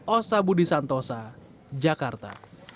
osa budi santosa jakarta